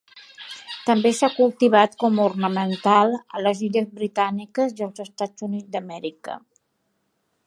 També se l'ha cultivat com ornamental a les illes Britàniques i als Estats Units d'Amèrica.